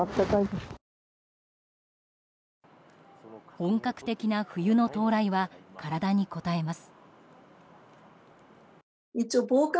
本格的な冬の到来は体にこたえます。